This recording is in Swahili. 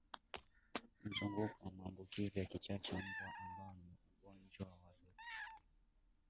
mzunguko wa maambukizi ya kichaa cha mbwa ambao ni ugonjwa wa virusi